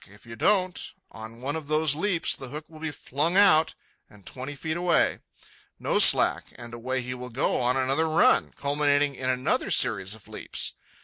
If you don't, on one of those leaps the hook will be flung out and twenty feet away. No slack, and away he will go on another run, culminating in another series of leaps.